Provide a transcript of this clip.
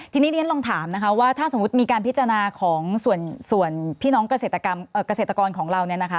ทีนี้เรียนลองถามว่าถ้าสมมติมีการพิจารณาของส่วนพี่น้องเกษตรกรของเรา